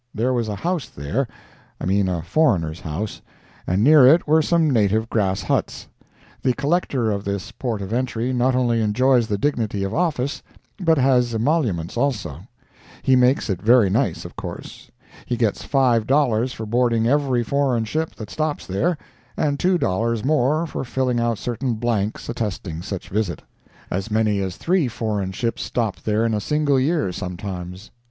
There was a house there—I mean a foreigner's house—and near it were some native grass huts. The Collector of this port of entry not only enjoys the dignity of office, but has emoluments also. That makes it very nice, of course. He gets five dollars for boarding every foreign ship that stops there, and two dollars more for filling out certain blanks attesting such visit. As many as three foreign ships stop there in a single year, sometimes.